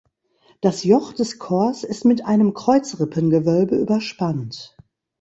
Das Joch des Chors ist mit einem Kreuzrippengewölbe überspannt.